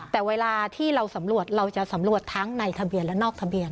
แต่เวลาที่เราสำรวจเราจะสำรวจทั้งในทะเบียนและนอกทะเบียน